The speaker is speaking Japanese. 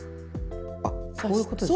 あこういうことですか？